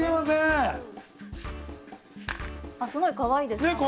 ◆すごいかわいいです。